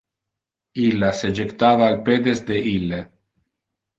Illa se jectava al pedes de ille.